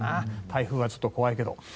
台風はちょっと怖いけど。